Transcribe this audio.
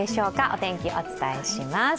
お天気、お伝えします。